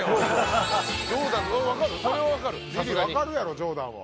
リリーわかるやろジョーダンは。